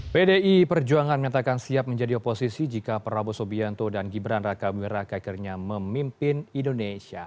pdi perjuangan menyatakan siap menjadi oposisi jika prabowo sobyanto dan gibran raka mira kakirnya memimpin indonesia